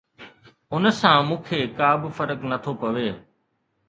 ان سان مون کي ڪا به فرق نه ٿو پوي